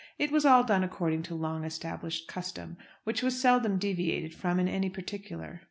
It was all done according to long established custom, which was seldom deviated from in any particular.